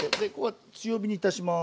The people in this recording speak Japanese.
強火にいたします。